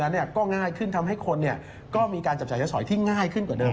แล้วก็ง่ายขึ้นทำให้คนก็มีการจับจ่ายใช้สอยที่ง่ายขึ้นกว่าเดิม